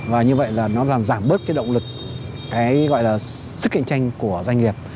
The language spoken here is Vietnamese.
và như vậy là nó giảm bớt cái động lực cái gọi là sức cạnh tranh của doanh nghiệp